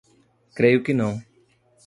Creio que não.